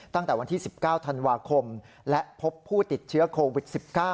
ตั้งแต่วันที่๑๙ธันวาคมและพบผู้ติดเชื้อโควิด๑๙